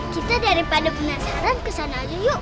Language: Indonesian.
kita daripada penasaran kesana aja yuk